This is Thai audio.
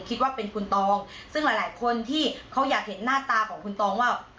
คิดว่าเป็นคุณตองซึ่งหลายคนที่เขาอยากเห็นหน้าตาของคุณตองว่า